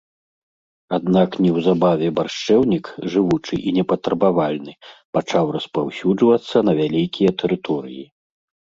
Аднак неўзабаве баршчэўнік, жывучы і непатрабавальны, пачаў распаўсюджвацца на вялікія тэрыторыі.